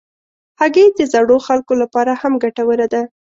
هګۍ د زړو خلکو لپاره هم ګټوره ده.